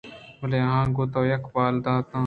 بلے اگاں تو اے بال داتاں